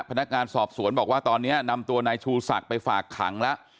พนักงานสอบสวนบอกว่าตอนนี้นำตัวนายชูศักดิ์ไปฝากขังแล้ว